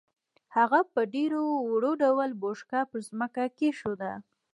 هغه په ډېر ورو ډول بوشکه پر ځمکه کېښوده.